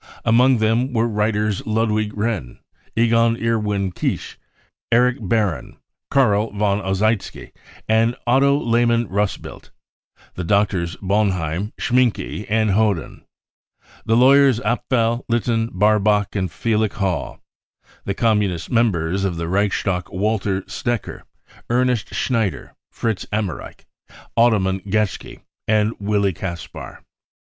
Among them there were the writers Ludwig Renn, Egon Erwin Kisch, Erich Baron, Carl von Ossietzky and Otto Lehman Russbild t ; the doctors Boenheim, Schminke and Hod aim ; the lawyers* Apfel, Litten, Barbach and Felix Halle ; the Communist members of the Reichstag Walter " Stoecker, Ernst Schneider, Fritz Emmerich, Ottoman Geschke and Willi Caspar.